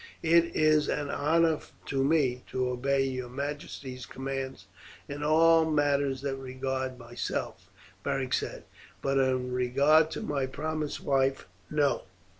"It is an honour to me to obey your majesty's commands in all matters that regard myself," Beric said; "but in regard to my promised wife, no!